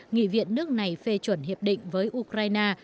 nghị viện nước này phê chuẩn hiệp định với ukraine